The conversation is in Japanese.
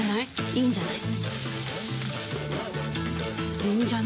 いいんじゃない？